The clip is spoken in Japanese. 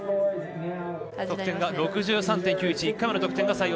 得点が６３．９１。